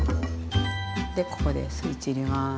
でここでスイッチ入れます。